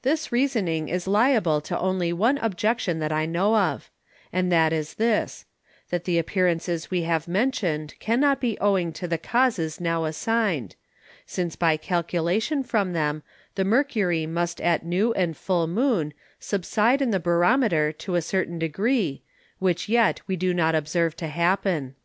This Reasoning is liable to only one Objection that I know of, and that is this: That the Appearances we have mention'd cannot be owing to the Causes now assigned; since by Calculation from them, the Mercury must at New and Full Moon subside in the Barometer to a certain degree, which yet we do not observe to happen.